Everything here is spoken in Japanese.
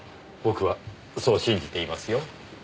僕はそう信じていますよ。